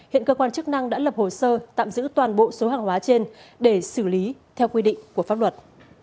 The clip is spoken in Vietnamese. hiện cơ quan chức năng đã lập hồ sơ tạm giữ toàn bộ số hàng hóa trên để xử lý theo quy định của pháp luật